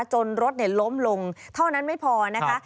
จนรถล้มลงเท่านั้นไม่พอนะคะ